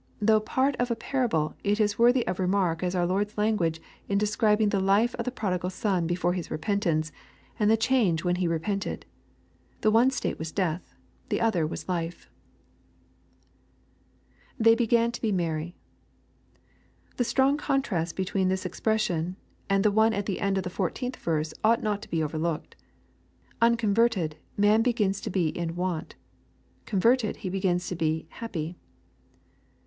Though part of a parable, it is worthy of remark aa our Lord's language in describing the life of the prodigal son be fore his repentance, and the change when he repented. The one state was death. The other was life. [They began to be merry.] The strong contrast between this ex pression and the one at the end of the 14th verse ought not to be overlooked. Unconverted, man begins to be "in want" Converted, he begins to be "happy."